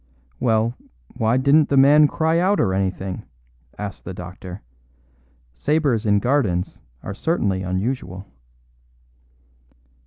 "Well, why didn't the man cry out or anything?" asked the doctor; "sabres in gardens are certainly unusual."